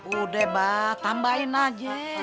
udah pak tambahin aja